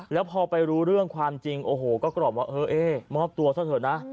แล้วพอไปรู้เรื่องความจริงโอ้โหก็กรอบว่าเออเอ๊มอบตัวซะเถอะนะ